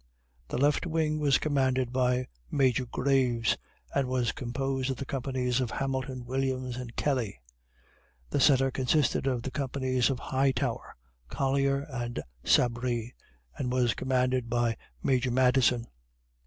The left wing was commanded by Major Graves, and was composed of the companies of Hamilton, Williams, and Kelly. The centre consisted of the companies of Hightower, Collier, and Sabree, and was commanded by Major Madison.